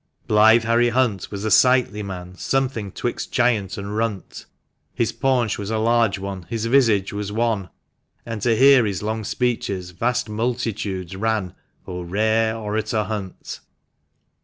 Blithe Harry Hunt was a sightly man Something 'twixt giant and runt ; His paunch was a large one, his visage was wan, And to hear his long speeches vast multitudes ran, O rare Orator Hunt